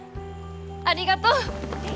ありがとう！